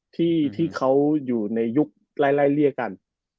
ที่ที่เขาอยู่ในยุคหลายเรียกกัน